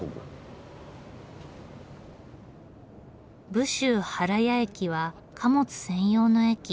武州原谷駅は貨物専用の駅。